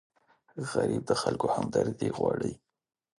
غریب د خلکو همدردي غواړي